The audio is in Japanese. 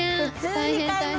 大変大変。